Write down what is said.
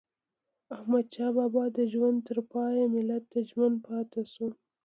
احمدشاه بابا د ژوند تر پایه ملت ته ژمن پاته سو.